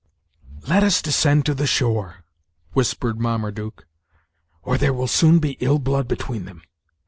"Let us descend to the shore," whispered Marmaduke, "or there will soon be ill blood between them.